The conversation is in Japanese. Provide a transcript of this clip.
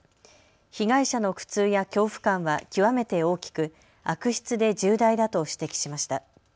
被害者の苦痛や恐怖感は極めて大きく悪質で重大だと指摘しました。